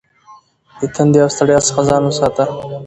د تندې او ستړیا څخه ځان وساته.